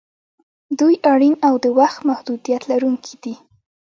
دوی اړین او د وخت محدودیت لرونکي دي.